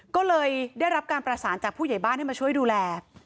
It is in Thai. ก็เลยได้รับการประสานจากผู้ใหญ่บ้านให้มาช่วยดูแล